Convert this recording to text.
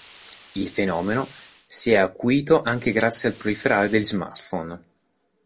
Il fenomeno si è acuito anche grazie al proliferare degli smartphone.